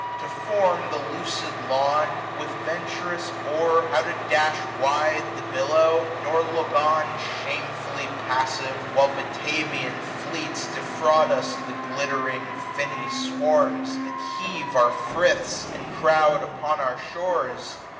To form the lucid lawn ; with venturous oar How to dash wide the billow ; nor look on. Shamefully passive, while Batavian fleets Defraud us of the glittering finny swarms, 920 That heave our friths, and crowd upon our shores